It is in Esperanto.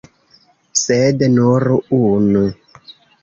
Sed nur unu!